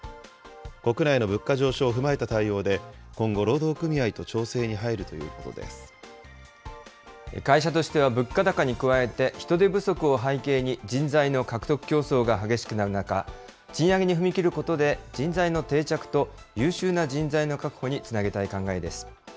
国内の物価上昇を踏まえた対応で、今後、労働組合と調整に入るとい会社としては物価高に加えて、人手不足を背景に人材の獲得競争が激しくなる中、賃上げに踏み切ることで、人材の定着と優秀な人材の確保につなげたい考えです。